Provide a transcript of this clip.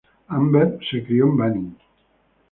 Amber se crio en Banning.